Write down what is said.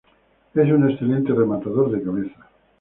Es un excelente rematador de cabeza.